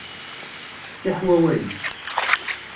Qessiḥ wawal-ik.